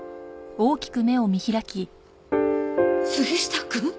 杉下くん！？